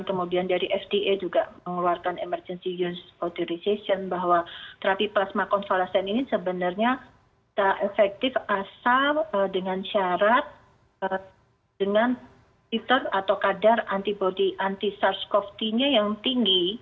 kemudian dari fda juga mengeluarkan emergency use authorization bahwa terapi plasma konvalesen ini sebenarnya tak efektif asal dengan syarat dengan fitur atau kadar antibody anti sars cov nya yang tinggi